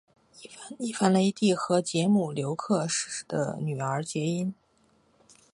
伊凡雷帝和捷姆留克的女儿结姻。